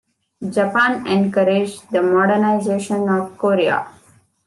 Japan encouraged the modernization of Korea.